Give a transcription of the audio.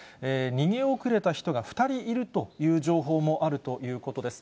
逃げ遅れた人が２人いるという情報もあるということです。